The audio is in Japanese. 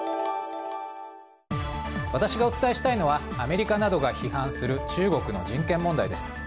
私がお伝えしたいのはアメリカなどが批判する中国の人権問題です。